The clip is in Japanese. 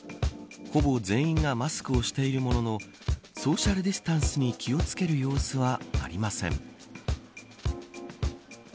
ほぼ全員がマスクをしているもののソーシャルディスタンスに気を付ける様子はありません。